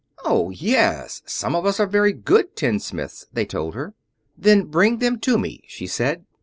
"Oh, yes. Some of us are very good tinsmiths," they told her. "Then bring them to me," she said.